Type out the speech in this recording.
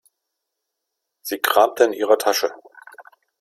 Sie kramte in ihrer Tasche.